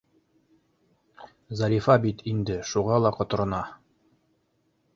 Зарифа бит инде шуға ла ҡоторона.